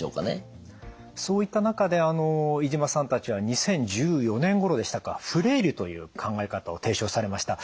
そういった中で飯島さんたちは２０１４年ごろでしたかフレイルという考え方を提唱されました。